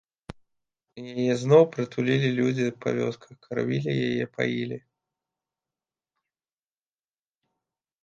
Яе зноў прытулілі людзі па вёсках, кармілі яе, паілі.